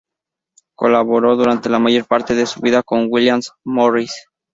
Colaboró durante la mayor parte de su vida con William Morris.